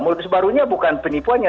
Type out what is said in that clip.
modus barunya bukan penipuannya